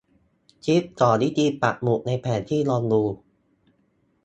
คลิปสอนวิธีปักหมุดในแผนที่ลองดู